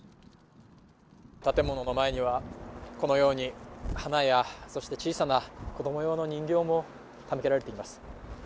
建物の前にはこのように花や小さな子供用の人形も手向けられています。